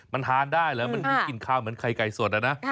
มันทานได้เหรอมันมีกลิ่นคาวเหมือนไข่ไก่สดอะนะ